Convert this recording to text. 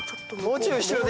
もうちょい後ろでしたね